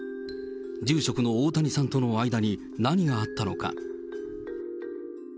住職の大谷さんとの間に何があったのか。